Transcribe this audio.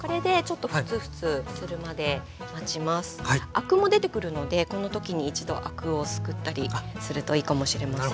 アクも出てくるのでこの時に一度アクをすくったりするといいかもしれません。